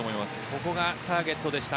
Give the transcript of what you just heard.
ここがターゲットでした。